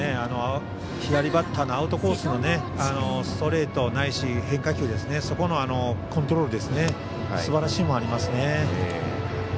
左バッターのアウトコースのストレートないし変化球そこのコントロールですね。